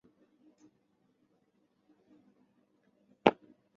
流经怀柔水库后在梭草村南汇入潮白河。